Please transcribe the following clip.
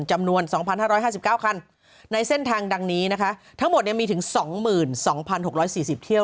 จำนวน๒๕๕๙คันในเส้นทางดังนี้นะคะทั้งหมดมีถึง๒๒๖๔๐เที่ยว